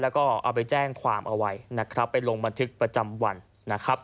แล้วก็เอาไปแจ้งความเอาไว้ไปลงบันทึกประจำวัน